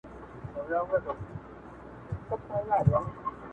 چي د عقل فکر لاس پکښي تړلی!.